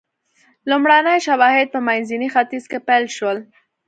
لومړني شواهد په منځني ختیځ کې پیل شول.